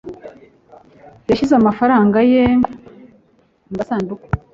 Yashyize amafaranga ye mu gasanduku.